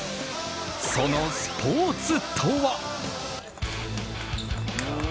そのスポーツとは。